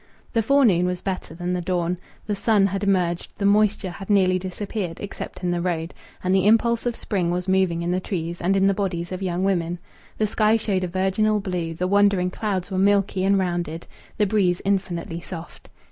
The forenoon was better than the dawn. The sun had emerged; the moisture had nearly disappeared, except in the road; and the impulse of spring was moving in the trees and in the bodies of young women; the sky showed a virginal blue; the wandering clouds were milky and rounded, the breeze infinitely soft.